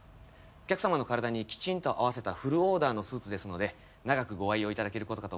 お客さまの体にきちんと合わせたフルオーダーのスーツですので長くご愛用いただけることかと思いますよ。